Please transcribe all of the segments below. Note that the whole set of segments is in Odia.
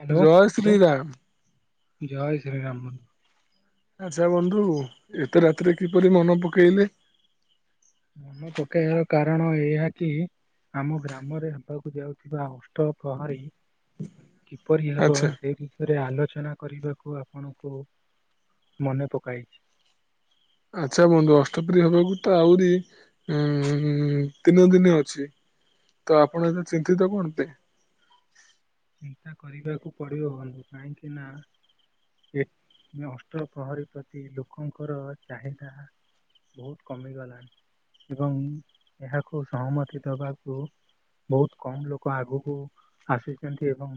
ହ୍ୟାଲୋ ଜୟ ଶ୍ରୀରାମ। ଜୟ ଶ୍ରୀ ରାମ ବନ୍ଧୁ। ଆଚ୍ଛା ବନ୍ଧୁ ଏତେ ରାତିରେ କିପରି ମନେ ପକେଇଲେ? ମନେ ପକାଇବାର କାରଣ ଏୟାକି ଆମ ଗ୍ରାମରେ ହେବାକୁ ଯାଉଥିବା ଅଷ୍ଟ ପ୍ରହରୀ କିପରି ହେବ ଆଚ୍ଛା ସେ ବି ଆଲୋଚନା କରିବାକୁ ଆପଣଙ୍କୁ ମନେ ପକାଇଛି। ଆଚ୍ଛା ବନ୍ଧୁ ଅଷ୍ଟପ୍ରହରୀ ହବାକୁ ତ ଆହୁରି ଉଁ ତିନି ଦିନି ଅଛି, ତ ଆପଣ ଏତ ଚିନ୍ତିତ କଣ ପାଇଁ? ଚିନ୍ତା କରିବାକୁ ପଡିବ ବନ୍ଧୁ କାହିଁକି ନା ଅଷ୍ଟ୍ର ପ୍ରହରୀ ପ୍ରତି ଲୋକଙ୍କର ଚାହିଦା ବହୁତ କମିଗଲାଣି, ଏବଂ ଏହାକୁ ସହମତି ଦବାକୁ ବହୁତ କମ ଲୋକ ଆଗକୁ ଆସୁଛନ୍ତି ଏବଂ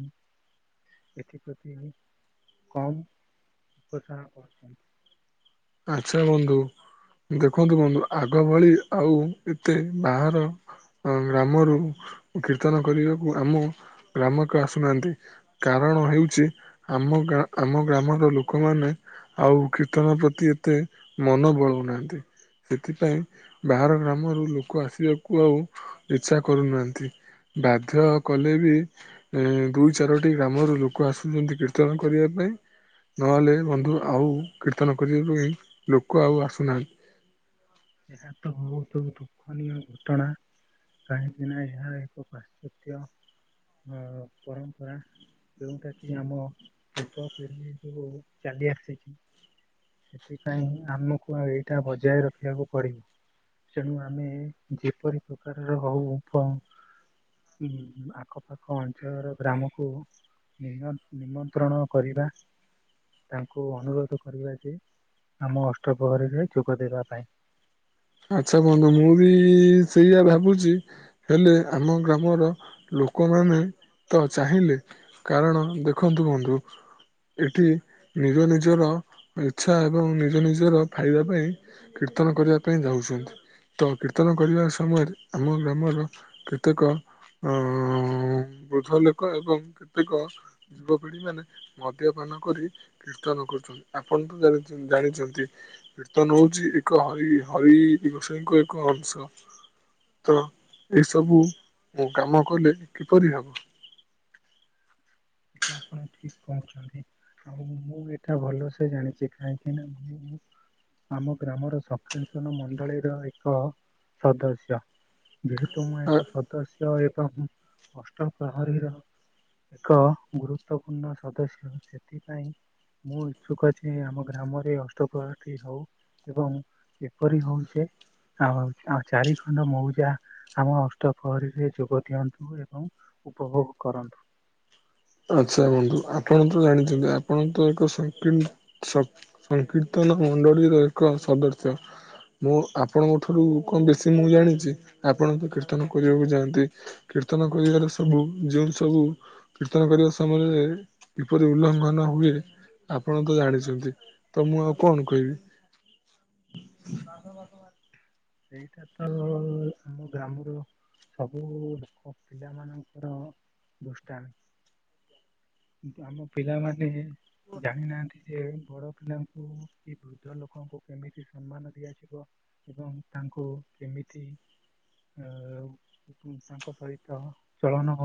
ଏଥିପ୍ରତି କମ୍ ଉପଚାର କରୁଛନ୍ତି। ଆଚ୍ଛା ବନ୍ଧୁ। ଦେଖନ୍ତୁ ବନ୍ଧୁ ଆଗ ଭଳି ଆଉ ଏତେ ବାହାର ଗ୍ରାମରୁ କୀର୍ତ୍ତନ କରିବାକୁ ଆମ ଗ୍ରାମକ ଆସୁନାହାନ୍ତି। କାରଣ ହେଉଛି ଆମ ଆମ ଗ୍ରାମର ଲୋକମାନେ ଆଉ କୀର୍ତ୍ତନ ପ୍ରତି ଏତେ ମନ ବଳଉନାହାନ୍ତି। ସେଥିପାଇଁ ବାହାର ଗ୍ରାମରୁ ଲୋକ ଆସିବାକୁ ଆଉ ଇଚ୍ଛା କରୁନାହାନ୍ତି। ବାଧ୍ଯ କଲେ ବି ଏ ଦୁଇ ଚାରୋଟି ଗ୍ରାମରୁ ଲୋକ ଆସୁଚନ୍ତି କୀର୍ତ୍ତନ କରିବା ପାଇଁ। ନହେଲେ ବନ୍ଧୁ ଆଉ କୀର୍ତ୍ତନ କରିବା ପାଇଁ ଲୋକ ଆଉ ଆସୁନାହା ଏହା ତ ବହୁତ ଦୁଃଖନୀୟ ଘଟଣା। କାହିଁକିନା ଏହା ଏକ ପାଶ୍ଚାତ୍ୟ ଅ ପରମ୍ପରା। ଯେଉଁଟା କି ଆମ ପୂର୍ବ ପିଢୀ ସବୁ ଚାଲି ଆସେ। ସେଥିପାଇଁଁ ଆମକୁ ଆଉ ଏଇଟା ବଜାୟ ରଖିବାକୁ ପିଡିବ ତେଣୁ ଆମେ ଯେପରି ପ୍ରକାରର ହଉ ହୁଁ ଆଖପାଖ ଅଞ୍ଚଳର ଗ୍ରାମକୁ [unintelligible] ନିମନ୍ତ୍ରଣ କରିବା। ତାଙ୍କୁ ଅନୁରୋଧ କରିବା ଯେ ଆମ ଅଷ୍ଟପହରୀରେ ଯୋଗ ଦେବା ପାଇଁ। ଆଚ୍ଛା ବନ୍ଧୁ ମୁଁ ବି ସେଇଆ ଭାବୁଚି। ହେଲେ ଆମ ଗ୍ରାମର ଲୋକମାନେ ତ ଚାହିଁଲେ। କାରଣ ଦେଖନ୍ତୁ ବନ୍ଧୁ। ଏଠି ନିଜ ନିଜର ଇଚ୍ଛା ଏବଂ ନିଜ ନିଜର ଫାଇଦା ପାଇଁ କୀର୍ତ୍ତନ କରିବା ପାଇଁ ଯାଉଛନ୍ତି ତ କୀର୍ତ୍ତନ କରିବା ସମୟରେ ଆମ ଗ୍ରାମର କେତେକ ଅଁ ବୃଦ୍ଧ ଲୋକ ଏବଂ କେତେକ ଯୁବପିଢି ମାନେ ମଦ୍ୟପାନ କରି। କୀର୍ତ୍ତନ କରୁଛନ୍ତି ଆପଣ ତ ଜା ଜାଣିଛନ୍ତି କୀର୍ତ୍ତନ ହଉଛି ଏକ ହରି ହଇ ଦିବସନଙ୍କ ଏକ ଅଂସ। ତ ଏସବୁ କାମ କଲେ କିପରି ହେବ। ଆପଣଠିକି କହୁଚନ୍ତି। ଆଉ ମୁଁ ଏଇଟା ଭଲସେ ଜାଣିଛି କାହିଁକି ନା ମୁଁ ଆମ ଗ୍ରାମର ସଖକ୍ସନ ମଣ୍ଡଳୀର ଏକ ସଦସ୍ୟ। ଯେହେତୁ ମୁଁ ଆ ଏକ ସଦସ୍ୟ ଏବଂ ଅଷ୍ଟ ପ୍ରହରୀର ଏକ ଗୁରୁତ୍ୱପୂର୍ଣ୍ଣ ସଦସ୍ୟ ସେଥିପାଇଁ ମୁଁ ଇଚ୍ଛୁକ ଯେ ଆମ ଗ୍ରାମରେ ଅଷ୍ଟପ୍ରହର ଟି ହଉ। ଏବଂ ଏପରି ହଉଯେ ଆ ଚାରି ଖଣ୍ଡ ମଉଜା ଆମ ଅଷ୍ଟପହରୀରେ ଯୋଗ ଦିଅନ୍ତୁ ଏବଂ ଉପଭୋଗ୍ କରନ୍ତୁ। ଆଚ୍ଛା ବନ୍ଧୁ ଆପଣ ତ ଜାଣିଛନ୍ତି ଆପଣ ତ ଏକ ସଂକିର୍ଣ୍ଣ ସ ସଂକୀର୍ତ୍ତନ ମଣ୍ଡଳୀର ଏକ ସଦସ୍ୟ। ମୁଁ ଆପଣଙ୍କ ଠାରୁ କଣ ବେଶୀ ମୁଁ ଜାଣିଛି ଆପଣ ତ କୀର୍ତ୍ତନ କରିବାକୁ ଯାଆନ୍ତି। କୀର୍ତ୍ତନ କରିବାର ସବୁ ଯୋଉ ସବୁ କୀର୍ତ୍ତନ କରିବା ସମୟରେ କିପରି ଉଲ୍ଲଂଘନ ହୁଏ। ଆପଣ ତ ଜାଣିଛନ୍ତି ତ ମୁଁ ଆଉ କଣ କହିବି। [unintelligible] ସେଇଟା ତ ଆମ ଗ୍ରାମ ର ସବୁ ଲୋକ ପିଲା ମାନଙ୍କର ଦୃଷ୍ଟାନ୍। କିନ୍ତୁ ଆମ ପିଲାମାନେ ଜାଣିନାହାନ୍ତି। ସେ ବଡ଼ ପିଲାଙ୍କୁ କି ବୃଦ୍ଧ ଲୋକଙ୍କୁ କେମିତି ସମ୍ମାନ ଦିଆଯିବ ଏବଂ ତାଙ୍କୁ କେମିତି ଅ ତାଙ୍କ ସହିତ ଚଳନ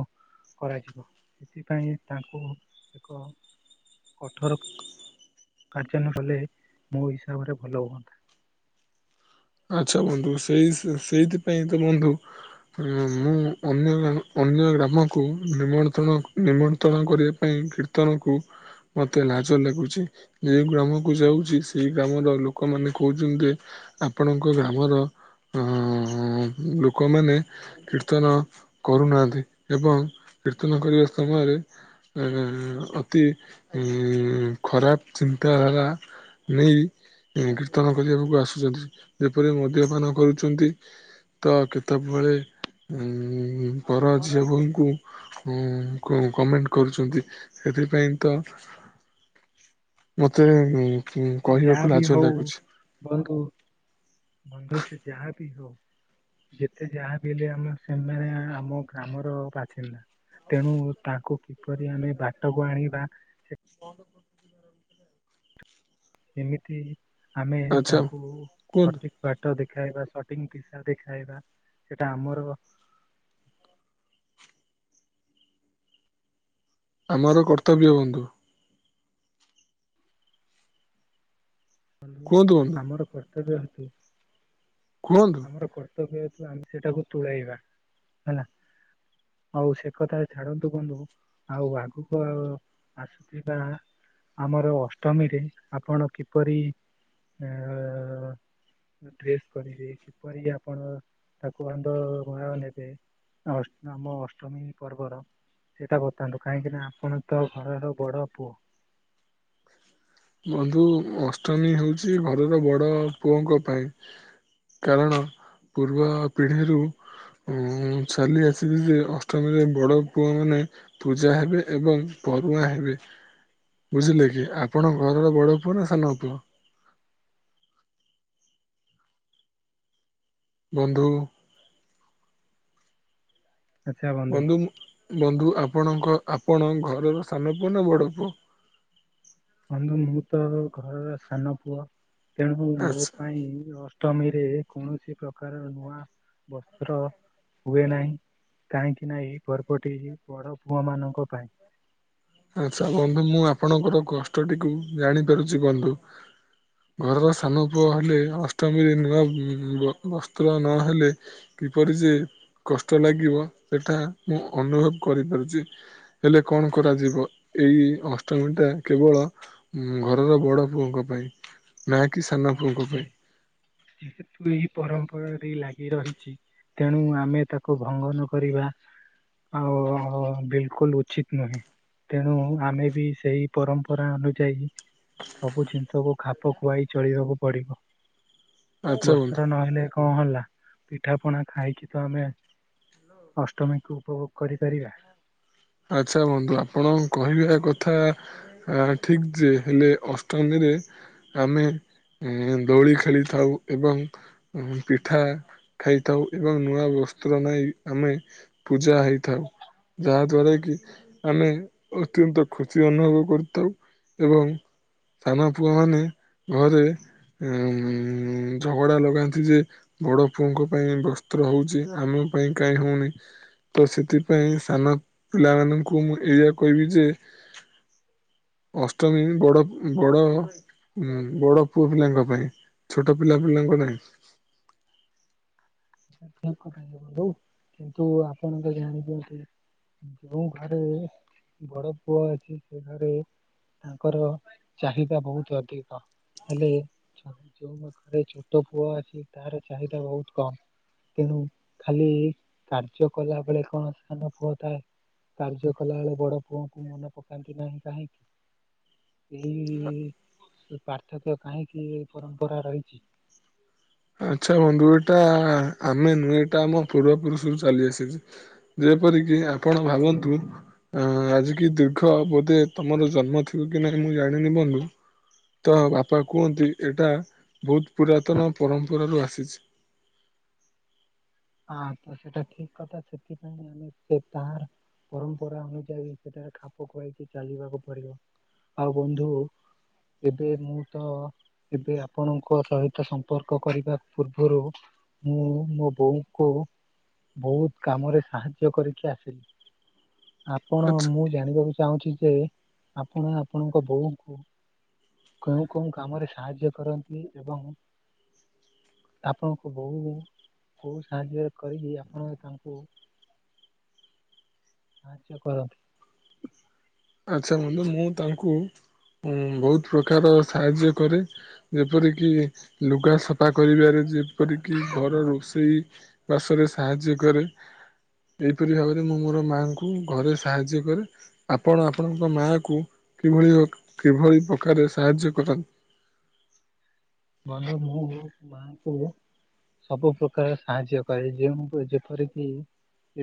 କରାଯିବ ସେଥିପାଇଁ ତାଙ୍କୁ ଏକ କଠୋର କାର୍ଯ୍ୟ ନ କଲେ ମୋ ହିସାବରେ ଭଲ ହୁଅନ୍ତା। ଆଚ୍ଛା ବନ୍ଧୁ ସେଇ ସେଇଥିପାଇଁ ତ ବନ୍ଧୁ ହଁ ମୁଁ ଅନ୍ୟ ମା ଅନ୍ୟ ଗ୍ରାମକୁ ନିମ୍ରଣ ନିମନ୍ତ୍ରଣ କରିବା ପାଇଁ କିର୍ତ ର୍ତ୍ତନକୁ ମତେ ଲାଜ ଲାଗୁଚି। ଯେଉଁ ଗ୍ରାମ କୁ ଯାଉଚି ସେଇ ଗ୍ରାମର ଲୋକମାନେ କହୁଚନ୍ତି ଯେ ଆପଣଙ୍କ ଗ୍ରାମର ଅଁ ଲୋକମାନେ କୀର୍ତ୍ତନ କରୁନାହାନ୍ତି ଏବଂ କୀର୍ତ୍ତନ କରିବା ସମୟରେ। ଅତି ଖରାପ ଚିନ୍ତାଧାରା। ନେଇ କୀର୍ତ୍ତନ କରିବାକୁ ଆସୁଚନ୍ତି ଯେପରି ମଦ୍ୟପାନ କରୁଚନ୍ତି। ତ କେତେବେଳେ ଉଁ ପର ଝିଅ ବୋହୁଙ୍କୁ। ଉଁ ଙ୍କୁ କମେଣ୍ଟ କରୁଚନ୍ତି ସେଥିପାଇଁ ତ। ମତେ ସେ ଯାହା କହିବାକୁ ବି ଲାଜ ହଉ ଲାଗୁଛି। ବନ୍ଧୁ ବନ୍ଧୁ ସେ ଯାହା ବି ହଉ। ଯେତେ ଯାହା ବି ହେଲେ ଆମ ସେମାନେ ଆମ ଗ୍ରାମର ବାସିନ୍ଦା। ତେଣୁ ତାଙ୍କୁ କିପରି ଆମେ ବାଟକୁ ଆଣିବା। [inaudible] କେମିତି ଆମେ ଆଚ୍ଛା ତାଙ୍କୁ କୁହନ୍ତୁ ସଠିକ୍ ବାଟ ଦେଖାଇବା ସଟିଙ୍ଗ ଦିସା ଦେଖାଇବା ସେଟା ଆମର। ଆମର କର୍ତ୍ତବ୍ୟ ବନ୍ଧୁ। କୁହନ୍ତୁ ବନ୍ଧୁ ଆମର କର୍ତ୍ତବ୍ୟ ହେତୁ। କୁହନ୍ତୁ। ଆମର କର୍ତ୍ତବ୍ୟ ହେତୁ ଆମେ ସେଟାକୁ ତୁଳାଇବା ହେଲା। ହଉ ସେକଥା ଛାଡନ୍ତୁ ବନ୍ଧୁ। ଆଉ ଆଗୁକୁ ଆସୁଥିବା। ଆମର ଅଷ୍ଟମୀରେ ଆପଣ କିପରି ଅ ଡ୍ରେସ୍ କରିବେ କିପରି ଆପଣ ତାକୁ ଆଣ୍ଡ ଅଣା ନେବେ। ଅଷ୍ଟ ଆମ ଅଷ୍ଟମୀ ପର୍ବର। ସେଇଟା ବତାନ୍ତୁ କାହିଁକି ନା ଆପଣ ତ ଘରର ବଡ ପୁଅ। ବନ୍ଧୁ ଅଷ୍ଟମୀ ହଉଚି ଘରର ବଡ ପୁଅଙ୍କ ପାଇଁ। କାରଣ ପୂର୍ବ ପିଢ଼ିରୁ। ଉଁ ଚାଲି ଆସିଚି ଯେ ଅଷ୍ଟମୀରେ ବଡ଼ ପୁଅମାନେ। ପୂଜା ହେବେ ଏବଂ ପରୁହାଁ ହେବେ ବୁଝିଲେ କି ଆ ଆପଣ ଘରର ବଡ଼ ପୁଅ ନା ସାନ ପୁଅ? ବନ୍ଧୁ। ବନ୍ଧୁ ମୁଁ ବନ୍ଧୁ ଆପଣଙ୍କ ଆପଣ ଘରର ସାନ ପୁଅ ନା ବଡ଼ ପୁଅ? ବନ୍ଧୁ ମୁଁ ତ ଘରର ସାନ ପୁଅ ତେଣୁ ମୋ ଆଚ୍ଛା ପାଇଁ ଅ ଟମୀରେ କୌଣସି ପ୍ରକାର ନୂଆ ବସ୍ତ୍ର। ହୁଏ ନାହିଁ କାହିଁକି ନା ଏହି ପର୍ବଟି ବଡ ପୁଅ ମାନଙ୍କ ପାଇଁ। ଆଚ୍ଛା ବନ୍ଧୁ ମୁଁ ଆପଣଙ୍କର କଷ୍ଟଟିକୁ ଜାଣି ପାରୁଚି ବନ୍ଧୁ। ଘରର ସାନ ପୁଅ ହେଲେ ଅଷ୍ଟମୀରେ ନୂଆ ଉଁ ବ ବସ୍ତ୍ର ନହେଲେ। କିପରି ଯେ କଷ୍ଟ ଲାଗିବ ସେଟା ମୁଁ ଅନୁଭବ କରିପାରୁଚି। ହେଲେ କଣ କରାଯି ବ ଏଇ ଅଷ୍ଟମୀଟା କେବଳ ଘରର ବଡ଼ ପୁଅଙ୍କ ପାଇଁ। ନାଁ କି ସା ହଁ ଯେ ଯେହେତୁ ଏଇ ପରମ୍ପରାଟି ଲାଗି ରହିଚି। ତେଣୁ ଆମେ ତାକୁ ଭଙ୍ଗ ନ କରିବା। ଆଉ ବିଲକୁଲ ଉଚିତ ନୁହେଁ। ତେଣୁ ଆମେ ବି ସେଇ ପରମ୍ପରା ଅନୁଯାୟୀ। ସବୁ ଜିନିଷକୁ ଖାପ ଖୁଆଇ ଚଳିବାକୁ ପଡିବ ଆଚ୍ଛା ବନ୍ଧୁ। ବସ୍ତ୍ର ନହେଲେ କଣ ହେଲା ପିଠା ପଣା ଖାଇକି ତ ଆମେ। ଅଷ୍ଟମୀକୁ ଉପଭୋଗ କରିପାରିବା। ଆଚ୍ଛା ବନ୍ଧୁ ଆପଣ କହିବା କଥା। ହା ଠିକ୍ ଯେ ହେଲେ ଅଷ୍ଟମୀରେ। ଆମେ ଦୋଳି ଖେଳିଥାଉ ଏବଂ। ପିଠା ଖାଇଥାଉ ଏବଂ ନୂଆ ବସ୍ତ୍ର ନାଇ ଆମେ। ପୂଜା ହେଇଥାଉ ଯାହା ଦ୍ଵାରା କି ଆମେ ଅତ୍ୟନ୍ତ ଖୁସି ଅନୁଭବ କରିଥାଉ, ଏବଂ ସାନ ପୁଅ ମାନେ ଘରେ ଉଁ ଝଗଡା ଲଗାନ୍ତି ଯେ ବଡ ପୁଅଙ୍କ ପାଇଁ ବସ୍ତ୍ର ହଉଚି, ଆମ ପାଇଁ କାଇଁ ହଉନି? ତ ସେଥିପାଇଁ ସାନ ପିଲାମାନଙ୍କୁ ମୁଁ ଏଇଆ କହିବି ଯେ ଅଷ୍ଟମୀ ବି ବଡ଼ ବଡ଼ ହୁଁ ବଡ ପୁଅ ପିଲାଙ୍କ ପାଇଁ, ଛୋଟ ପିଲା ପିଲାଙ୍କ ନାହିଁ। ଠିକ୍ କଥା ଯେ ବନ୍ଧୁ, କିନ୍ତୁ ଆପଣ ତ ଜାଣିଚନ୍ତି ଯୋଉ ଘରେ ବଡ ପୁଅ ଅଛି, ସେ ଘରେ- ତାଙ୍କର ଚାହିଦା ବହୁତ ଅଧିକ, ହେଲେ ଆଉ ଯୋଉ ପାଖରେ ଛୋଟ ପୁଅ ଅଛି ତାର ଚାହିଦା ବହୁତ କମ୍। ତେଣୁ ଖାଲି କାର୍ଯ୍ୟ କଲା ବେଳେ କଣ ସାନ ପୁଅ ଥାଏ। କାର୍ଯ୍ୟ କଲା ବେଳେ ବଡ ପୁଅଙ୍କୁ ମନେ ପକାନ୍ତି ନାହିଁ କାହିଁକି? ଏଇ ପାର୍ଥକ୍ୟ କାହିଁକି ଏ ପରମ୍ପରା ରହିଛି? ଆଚ୍ଛା ବନ୍ଧୁ ଏଇଟା ଆମେ ନୁହେଁ, ଏଟା ଆମ ପୂର୍ବ ପୁରୁଷରୁୁ ଚାଲି ଆସିଛି। ଯେପରିକି ଆପଣ ଭାବନ୍ତୁ ଅ ଆଜିିକି ଦୀର୍ଘ ବୋଧେ, ତମର ଜନ୍ମ ଥିବ କି ନାହିଁ ମୁଁ ଜାଣିନି ବନ୍ଧୁ? ତ ବାପା କୁହନ୍ତି ଏଇଟା ବହୁତ ପୁରାତନ ପରମ୍ପରାରୁ ଆସିଛି। ହଁ ତ ସେଟା ଠିକ୍ କଥା, ସେଥିପାଇଁ ସେ ତାର ପରମ୍ପରା ଅନୁଯାୟୀ ସେଠାରେ ଖାପ ଖୁଆଇକି ଚାଲିବାକୁ ପଡିବ। ଆଉ ବନ୍ଧୁ ଏବେ ମୁଁ ତ ଏବେ ଆପଣଙ୍କ ସହିତ ସମ୍ପର୍କ କରିବା ପୂର୍ବରୁ, ମୁଁ ମୋ ବୋଉ କୁ ବହୁତ କାମରେ ସାହାଯ୍ୟ କରିକି ଆସିଲି। ଆପଣ ଆଚ୍ଛା ମୁଁ- ଜାଣିବାକୁ ଚାହୁଁଛି ଯେ, ଆପଣ ଆପଣଙ୍କ ବୋଉଙ୍କୁ କୋଉଁ କୋଉଁ କାମରେ ସାହାଯ୍ୟ କରନ୍ତି, ଏବଂ ଆପଣଙ୍କ ବୋଉ କୋଉ ସାହାଯ୍ୟ କରିକି, ଆପଣ ତାଙ୍କୁ ସାହାଯ୍ୟ କରନ୍ତି। ଆଚ୍ଛା ବନ୍ଧୁ ମୁଁ ତାଙ୍କୁ ବହୁତ ପ୍ରକାରର ସାହାଯ୍ୟ କରେ। ଯେପରିକି ଲୁଗା ସଫା କରିବାରେ, ଯେପରିକି ଘର ରୋଷେଇ। ବାସରେ ସାହାଯ୍ୟ କରେ। ଏହିପରି ଭାବରେ ମୁଁ ମୋର ମାଆଙ୍କୁ ଘରେ ସାହାଯ୍ୟ କରେ। ଆପଣ ଆପଣଙ୍କ ମା କୁ କିଭଳି କିଭଳି ପ୍ରକାରେ ସାହାଯ୍ୟ କରନ୍ତି? ବନ୍ଧୁ ମୁଁ ମାଙ୍କୁ ସବୁ ପ୍ରକାର ସାହାଯ୍ୟ କରେ, ଯେଉଁ ଯେପରିକି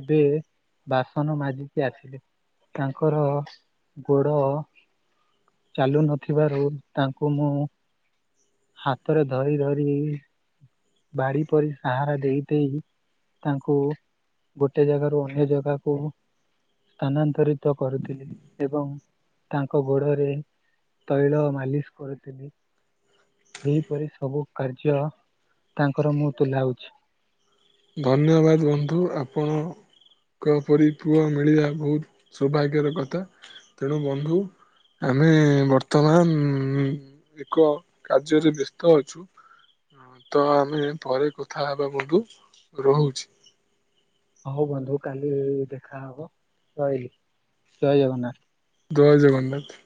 ଏବେ ବାସନ ମାଜିକି ଆସିଲି। ତାଙ୍କର ଗୋଡ ଚାଲୁ ନଥିବାରୁ, ତାଙ୍କୁ ମୁଁ ହାତରେ ଧରି ଧରି ବାଡି ପରି ସାହାରା ଦେଇ ଦେଇ ତାଙ୍କୁ ଗୋଟେ ଜାଗାରୁ ଅନ୍ୟ ଜାଗାକୁ ସ୍ଥାନାନ୍ତରିତ କରୁଥିଲି, ଏବଂ ତାଙ୍କ ଗୋଡରେ ତୈଳ ମାଲିସ କରୁଥିଲି। ଏହିପରି ସବୁ କାର୍ଯ୍ୟ ତାଙ୍କର ମୁଁ ତୁଲାଉଛି। ଧନ୍ୟବାଦ ବନ୍ଧୁ। ଆପଣ ଙ୍କ ପରି ପୁଅ ମିଳିବା ବହୁତ ସୌଭାଗ୍ୟର କଥା, ତେଣୁ ବନ୍ଧୁ ଆମେ ବର୍ତ୍ତମାନ ଏକ କାର୍ଯ୍ୟରେ ବ୍ୟସ୍ତ ଅଛୁ। ତ ଆମେ ପରେ କଥା ହେବା ବନ୍ଧୁ ରହୁଛି। ହଉ ବନ୍ଧୁ କାଲି ଦେଖା ହବ ରହିଲି, ଜୟ ଜଗନ୍ନାଥ। ଜୟ ଜଗନ୍ନାଥ।